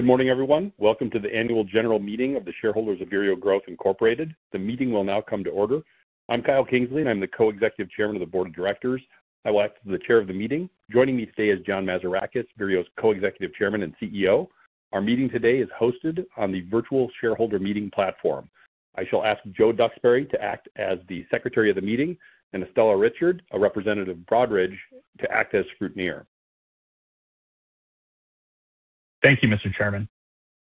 Good morning, everyone. Welcome to the Annual General Meeting of the shareholders of Vireo Growth Incorporated. The meeting will now come to order. I'm Kyle Kingsley and I'm the Co-Executive Chairman of the Board of Directors. I will act as the Chair of the meeting. Joining me today is John Mazarakis, Vireo's Co-Executive Chairman and CEO. Our meeting today is hosted on the virtual shareholder meeting platform. I shall ask Joe Duxbury to act as the Secretary of the meeting, and Estella Richard, a representative of Broadridge, to act as Scrutineer. Thank you, Mr. Chairman.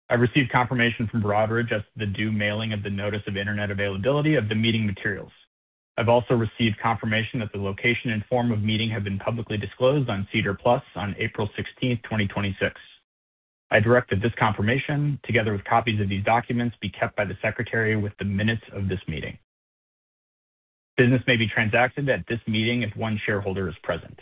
I received confirmation from Broadridge as to the due mailing of the notice of internet availability of the meeting materials. I've also received confirmation that the location and form of meeting have been publicly disclosed on SEDAR+ on April 16th, 2026. I direct that this confirmation, together with copies of these documents, be kept by the Secretary with the minutes of this meeting. Business may be transacted at this meeting if one shareholder is present.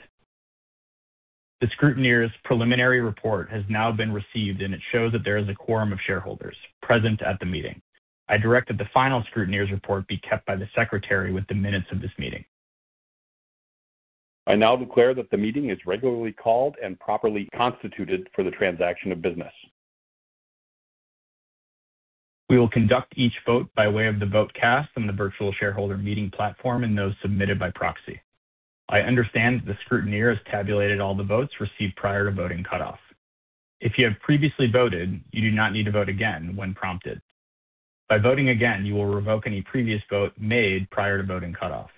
The Scrutineer's preliminary report has now been received. It shows that there is a quorum of shareholders present at the meeting. I direct that the final Scrutineer's report be kept by the Secretary with the minutes of this meeting. I now declare that the meeting is regularly called and properly constituted for the transaction of business. We will conduct each vote by way of the vote cast on the virtual shareholder meeting platform and those submitted by proxy. I understand the Scrutineer has tabulated all the votes received prior to voting cutoff. If you have previously voted, you do not need to vote again when prompted. By voting again, you will revoke any previous vote made prior to voting cutoff.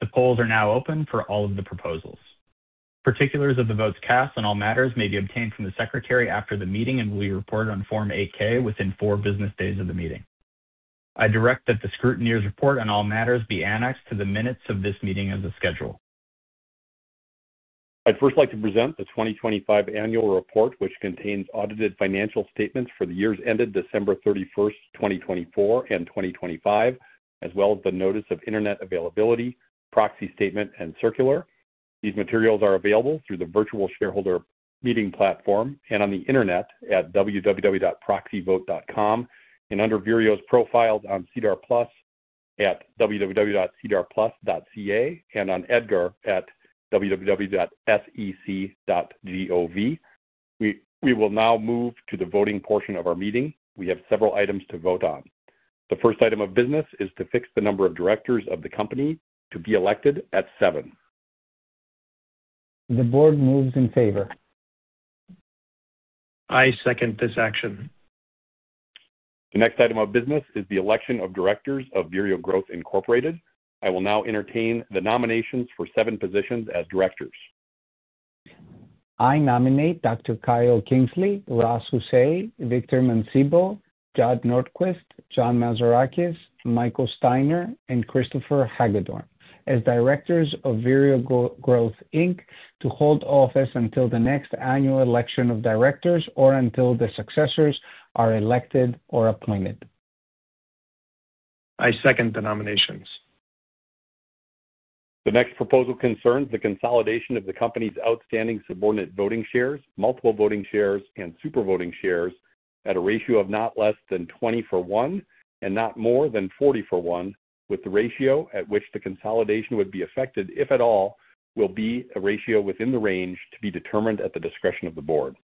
The polls are now open for all of the proposals. Particulars of the votes cast on all matters may be obtained from the Secretary after the meeting and will be reported on Form 8-K within four business days of the meeting. I direct that the Scrutineer's report on all matters be annexed to the minutes of this meeting as a schedule. I'd first like to present the 2025 annual report, which contains audited financial statements for the years ended December 31st, 2024 and 2025, as well as the notice of internet availability, proxy statement and circular. These materials are available through the virtual shareholder meeting platform and on the internet at www.proxyvote.com and under Vireo's profiles on SEDAR+ at www.sedarplus.ca and on EDGAR at www.sec.gov. We will now move to the voting portion of our meeting. We have several items to vote on. The first item of business is to fix the number of directors of the company to be elected at seven. The board moves in favor. I second this action. The next item of business is the election of directors of Vireo Growth Inc. I will now entertain the nominations for seven positions as directors. I nominate Dr. Kyle Kingsley, Ross Hussey, Victor E. Mancebo, Judd Nordquist, John Mazarakis, Michael Steiner, and Christopher Hagedorn as directors of Vireo Growth Inc. to hold office until the next annual election of directors, or until their successors are elected or appointed. I second the nominations. The next proposal concerns the consolidation of the company's outstanding subordinate voting shares, multiple voting shares and super voting shares at a ratio of not less than 20 for one and not more than 40 for one, with the ratio at which the consolidation would be affected, if at all, will be a ratio within the range to be determined at the discretion of the board.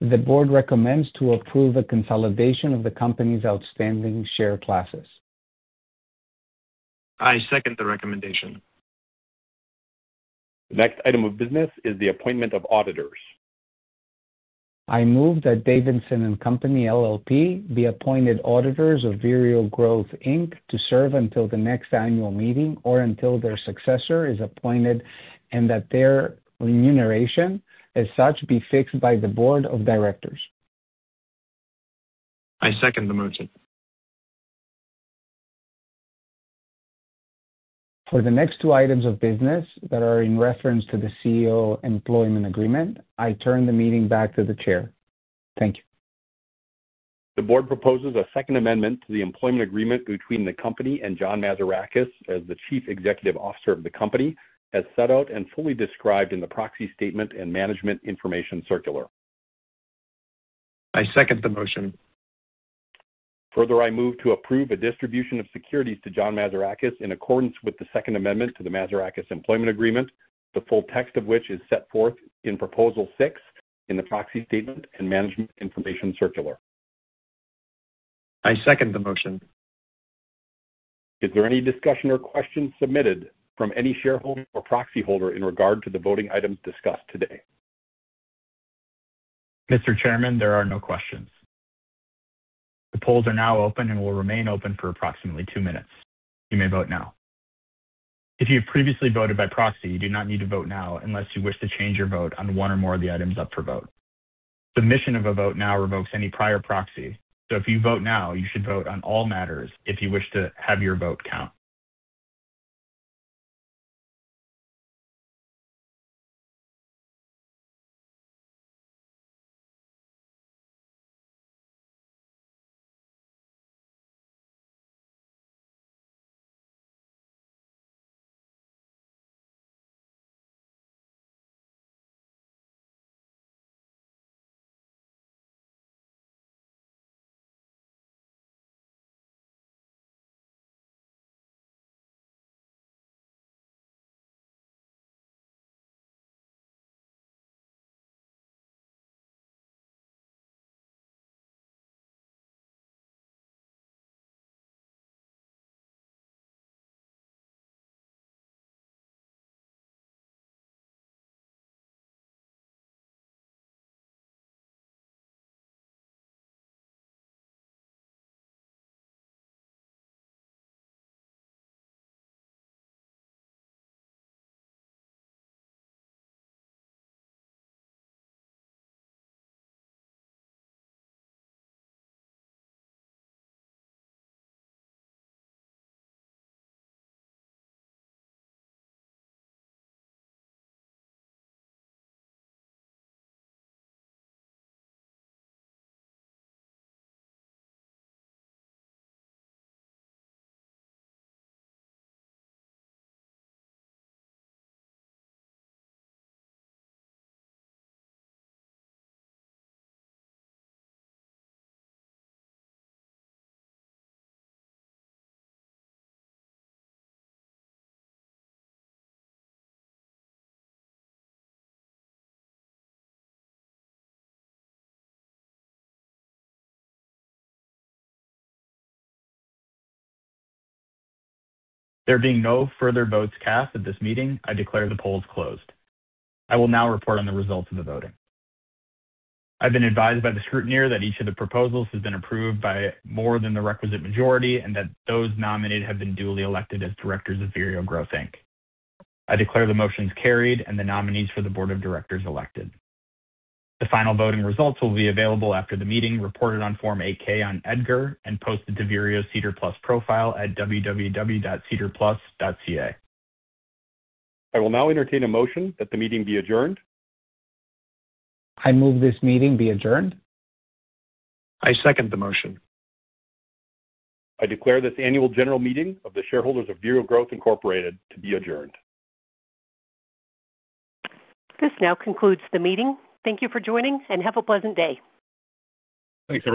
The board recommends to approve a consolidation of the company's outstanding share classes. I second the recommendation. The next item of business is the appointment of auditors. I move that Davidson & Company LLP be appointed auditors of Vireo Growth Inc. to serve until the next annual meeting or until their successor is appointed, and that their remuneration as such be fixed by the board of directors. I second the motion. For the next two items of business that are in reference to the CEO employment agreement, I turn the meeting back to the chair. Thank you. The board proposes a second amendment to the employment agreement between the company and John Mazarakis as the Chief Executive Officer of the company, as set out and fully described in the proxy statement and management information circular. I second the motion. Further, I move to approve a distribution of securities to John Mazarakis in accordance with the second amendment to the Mazarakis employment agreement, the full text of which is set forth in proposal six in the proxy statement and management information circular. I second the motion. Is there any discussion or questions submitted from any shareholder or proxy holder in regard to the voting items discussed today? Mr. Chairman, there are no questions. The polls are now open and will remain open for approximately two minutes. You may vote now. If you have previously voted by proxy, you do not need to vote now unless you wish to change your vote on one or more of the items up for vote. Submission of a vote now revokes any prior proxy. If you vote now, you should vote on all matters if you wish to have your vote count. There being no further votes cast at this meeting, I declare the polls closed. I will now report on the results of the voting. I've been advised by the scrutineer that each of the proposals has been approved by more than the requisite majority, and that those nominated have been duly elected as directors of Vireo Growth Inc. I declare the motions carried and the nominees for the board of directors elected. The final voting results will be available after the meeting, reported on Form 8-K on EDGAR, and posted to Vireo's SEDAR+ profile at www.sedarplus.ca. I will now entertain a motion that the meeting be adjourned. I move this meeting be adjourned. I second the motion. I declare this annual general meeting of the shareholders of Vireo Growth Inc. to be adjourned. This now concludes the meeting. Thank you for joining, and have a pleasant day. Thanks, everyone.